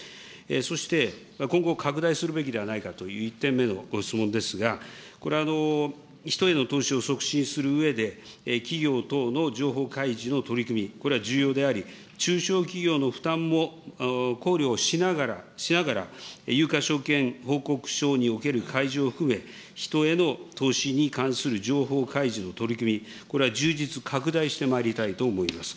そして、今後、拡大するべきではないかという１点目のご質問ですが、これ、人への投資を促進するうえで、企業等の情報開示の取り組み、これは重要であり、中小企業の負担も考慮をしながら、有価証券報告書における開示を含め、人への投資に関する情報開示の取り組み、これは充実、拡大してまいりたいと思います。